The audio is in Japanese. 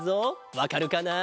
わかるかな？